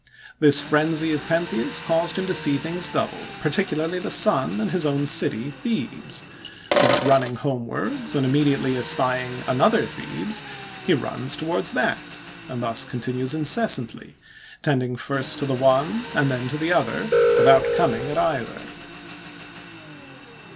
This frenzy of Pentheus caused him to see things double, particularly the sun, and his own city, Thebes, so that running homewards, and immediately espying another Thebes, he runs towards that; and thus continues incessantly, tending first to the one, and then to the other, without coming at either.